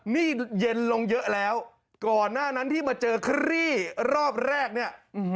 นี่เย็นลงเยอะแล้วก่อนหน้านั้นที่มาเจอคลี่รอบแรกเนี่ย